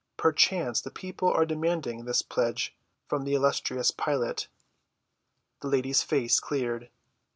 "Perchance, the people are demanding this pledge from the illustrious Pilate." The lady's face cleared.